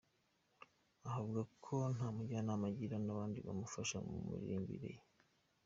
Aha avuga ko nta mujyanama agira n’abandi bamufasha mu miririmbire.